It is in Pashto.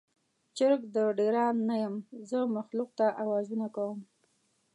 چرګ د ډیران نه یم، زه مخلوق ته اوازونه کوم